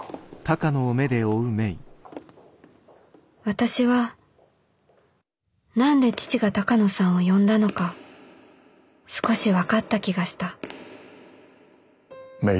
私は何で父が鷹野さんを呼んだのか少し分かった気がした芽依。